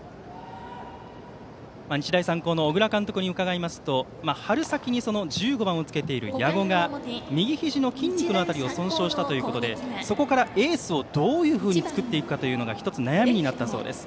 日大三高の小倉監督に伺いますと春先に１５番をつけている矢後が右ひじの筋肉の辺りを損傷したということでそこからエースをどういうふうに使っていくかというのが１つ、悩みになったそうです。